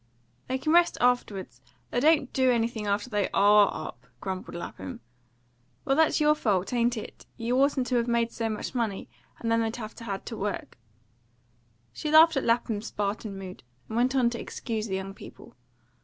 "They can rest afterwards. They don't do anything after they ARE up," grumbled Lapham. "Well, that's your fault, ain't it? You oughtn't to have made so much money, and then they'd have had to work." She laughed at Lapham's Spartan mood, and went on to excuse the young people.